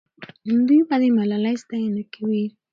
دوی به د ملالۍ ستاینه کوي.